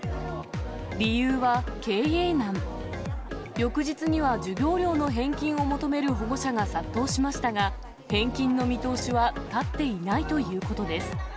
翌日には授業料の返金を求める保護者が殺到しましたが、返金の見通しは立っていないということです。